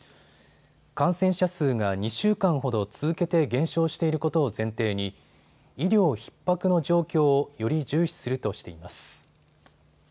感染者数が２週間ほど続けて減少していることを前提に医療ひっ迫の状況をより重視するとしています。